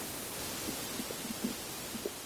本鱼分布于夏威夷群岛。